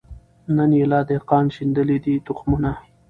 نن ایله دهقان شیندلي دي تخمونه